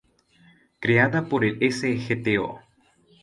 Creada por el Sgto.